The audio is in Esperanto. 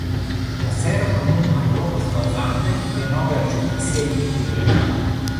La servo nun alvokas la uzantojn denove alŝuti siajn bildojn.